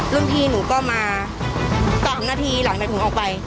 รุ่นที่หนูก็มาสามนาทีหลังแต่ถึงออกไป